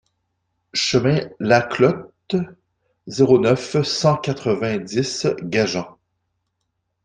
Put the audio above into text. Chemin Las Clotes, zéro neuf, cent quatre-vingt-dix Gajan